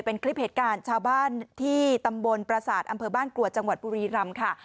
เป็นคลิปเหตุการณ์ชาวบ้านที่ตำบลประสาทอำเภอบ้านกรวดจังหวัดบุรีรำค่ะ